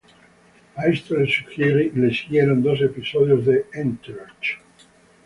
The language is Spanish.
A esto le siguieron dos episodios de "Entourage".